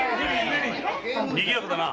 にぎやかだな。